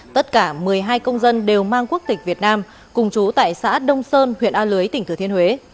tất cả một mươi hai công dân đều mang quốc tịch việt nam cùng chú tại xã đông sơn huyện a lưới tỉnh thừa thiên huế